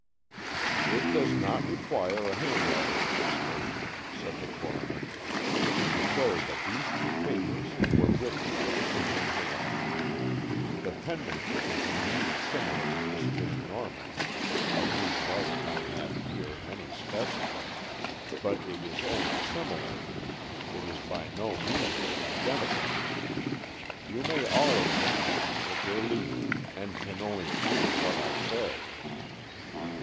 "It does not require a handwriting expert," said the coroner, "to declare that these two papers were written by the same hand. The penmanship is indeed similar to Miss Van Norman's, of whose writing I have here many specimens, but it is only similar. It is by no means identical. You may all examine these at your leisure and can only agree to what I say."